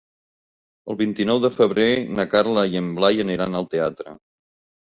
El vint-i-nou de febrer na Carla i en Blai aniran al teatre.